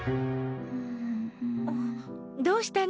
どうしたの？